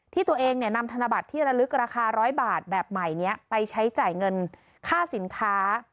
ที่ตัวเองนำธนบัตรที่ระลึกราคา๑๐๐บาทแบบใหม่นี้ไปใช้จ่ายเงินค่าสินค้า